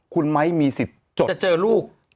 คุณไม้มีสิทธิ์จบจะเจอลูก